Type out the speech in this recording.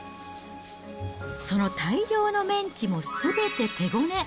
その大量のメンチもすべて手ごね。